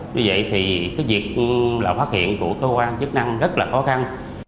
như vậy thì cái việc là phát hiện của cơ quan chức năng rất là khó khăn